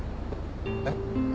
えっ？